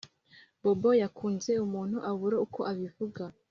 bobo yakunze umuntu abura uko abivuga